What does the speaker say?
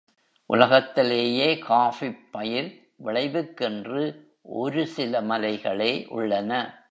உலகத்திலேயே காஃபிப் பயிர் விளைவுக்கென்று ஒரு சில மலைகளே உள்ளன.